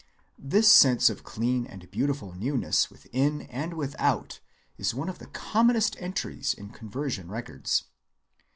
(134) This sense of clean and beautiful newness within and without is one of the commonest entries in conversion records.